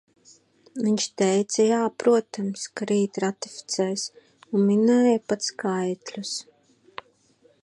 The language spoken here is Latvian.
Viņš teica: jā, protams, ka rīt ratificēs, un minēja pat skaitļus.